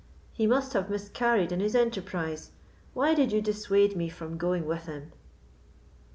He must have miscarried in his enterprise. Why did you dissuade me from going with him?"